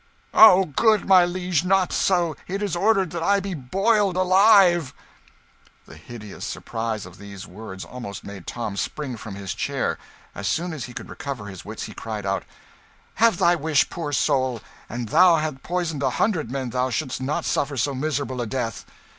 "O good my liege, not so! It is ordered that I be boiled alive!" The hideous surprise of these words almost made Tom spring from his chair. As soon as he could recover his wits he cried out "Have thy wish, poor soul! an' thou had poisoned a hundred men thou shouldst not suffer so miserable a death."